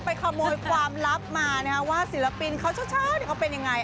ไปขโมยความลับมานะฮะว่าศิลปินเขาเฉิดเฉิดเขาเป็นยังไง